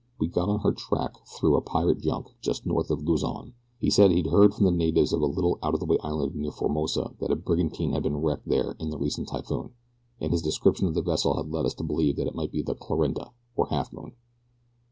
We got on her track through a pirate junk just north of Luzon he said he'd heard from the natives of a little out of the way island near Formosa that a brigantine had been wrecked there in the recent typhoon, and his description of the vessel led us to believe that it might be the 'Clarinda,' or Halfmoon.